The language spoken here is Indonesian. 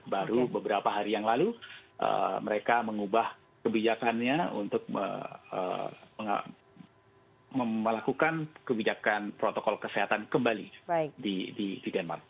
baru beberapa hari yang lalu mereka mengubah kebijakannya untuk melakukan kebijakan protokol kesehatan kembali di denmark